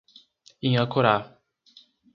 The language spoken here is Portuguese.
Inhacorá